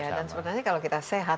dan sebenarnya kalau kita sehat